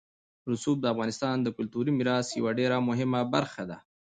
رسوب د افغانستان د کلتوري میراث یوه ډېره مهمه برخه ده.